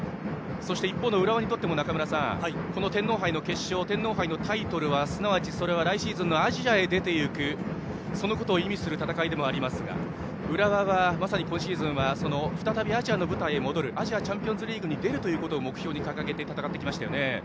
そして、一方の浦和にとっても中村さんこの天皇杯の決勝天皇杯のタイトルはすなわち、それは来シーズンのアジアへ出て行くそのことを意味する戦いでもありますが浦和は、まさに今シーズン再びアジアの舞台へ戻るアジアチャンピオンズリーグに出るということを目標に掲げて戦ってきましたよね。